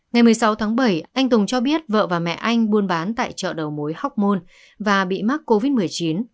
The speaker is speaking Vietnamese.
ngày một mươi sáu tháng bảy anh tùng cho biết vợ và mẹ anh buôn bán tại chợ đầu mối hoc mon và bị mắc covid một mươi chín